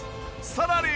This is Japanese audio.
さらに！